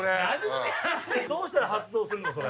どうしたら発想すんのそれ？